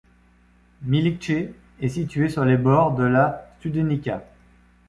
Miliće est situé sur les bords de la Studenica.